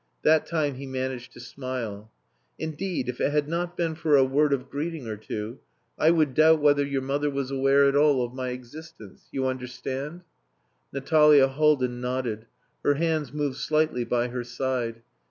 That time he managed to smile. "Indeed, if it had not been for a word of greeting or two, I would doubt whether your mother was aware at all of my existence. You understand?" Natalia Haldin nodded; her hands moved slightly by her side.